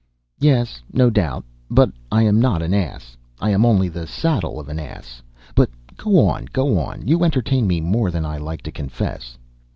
"Yes, no doubt. But I am not an ass; I am only the saddle of an ass. But go on, go on. You entertain me more than I like to confess."